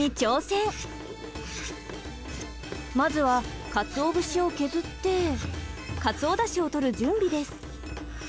まずはかつお節を削ってかつおだしをとる準備です。